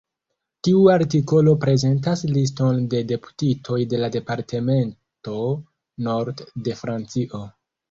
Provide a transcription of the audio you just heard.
Tiu artikolo prezentas liston de deputitoj de la departemento Nord de Francio.